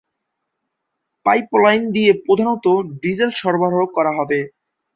Pipeline দিয়ে প্রধানত diesel সরবরাহ করা হবে।